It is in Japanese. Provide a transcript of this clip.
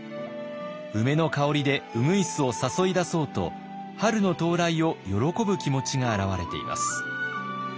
梅の香りで鶯を誘い出そうと春の到来を喜ぶ気持ちが表れています。